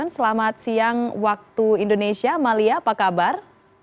selamat siang waktu indonesia malia apa kabar